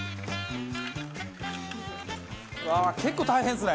うわー結構大変ですね。